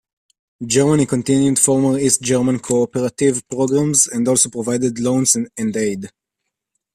Germany continued former East German cooperative programs and also provided loans and aid.